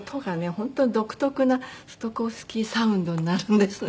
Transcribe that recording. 本当に独特なストコフスキーサウンドになるんですね。